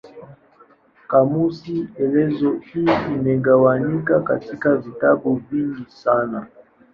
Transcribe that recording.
Kamusi elezo hii imegawanyika katika vitabu vingi sana.